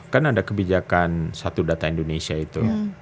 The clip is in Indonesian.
kan ada kebijakan satu data indonesia itu